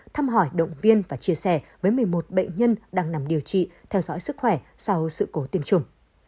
thăm hỏi động viên và chia sẻ với một mươi một bệnh nhân đang nằm điều trị theo dõi sức khỏe sau sự cố tiêm chủng